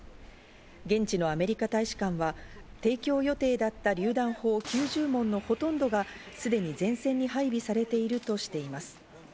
現地のアメリカ大使館は提供予定だったりゅう弾砲９０門のほとんどがすでに前線に配備されているとしています。